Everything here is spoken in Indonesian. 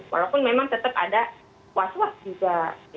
walaupun memang tetap ada was was juga